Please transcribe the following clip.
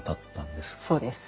そうです。